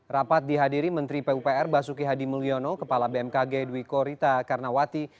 rapat dihadiri menteri pupr basuki hadi mulyono kepala bmkg dwi korita karnawati